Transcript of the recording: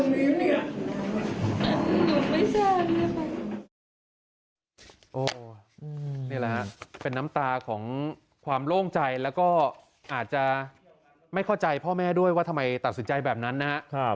นี่แหละฮะเป็นน้ำตาของความโล่งใจแล้วก็อาจจะไม่เข้าใจพ่อแม่ด้วยว่าทำไมตัดสินใจแบบนั้นนะครับ